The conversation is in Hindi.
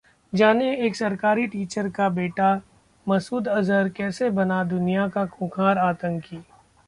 जानें, एक सरकारी टीचर का बेटा मसूद अजहर कैसे बना दुनिया का खूंखार आतंकी